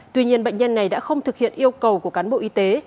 tuy nhiên bệnh nhân này đã không thực hiện yêu cầu của cán bộ y tế